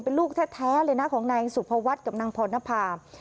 เป็นลูกแท้เลยนะของนายสุภวัฒน์กับนางพรณภาพ